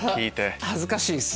恥ずかしいっすね。